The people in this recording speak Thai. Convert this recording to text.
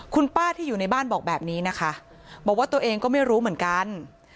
คุณป้าที่อยู่ในบ้านบอกแบบนี้นะคะบอกว่าตัวเองก็ไม่รู้เหมือนกัน